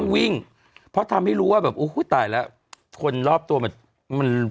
วิ่งเพราะทำให้รู้ว่าแบบโอ้โหตายแล้วคนรอบตัวมันมัน